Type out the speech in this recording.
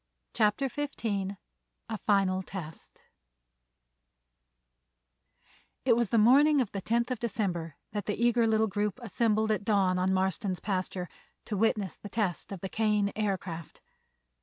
CHAPTER XV A FINAL TEST It was the morning of the tenth of December that the eager little group assembled at dawn on Marston's pasture to witness the test of the Kane Aircraft.